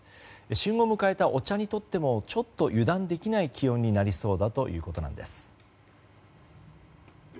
旬を迎えたお茶にとってもちょっと油断できない気温になりそうだということなんです。